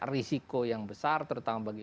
risiko yang besar terutama bagi